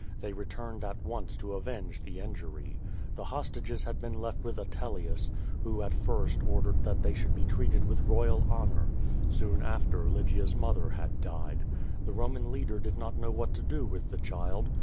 They returned at once to avenge the injury. The hostages had been left with Atelius, who at first ordered that they should be treated with royal honor. Soon after I.ygia's mother had died. The Ro man leader did not know what to do with the child.